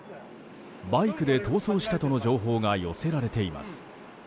バイクで逃走したとの情報が寄せられています。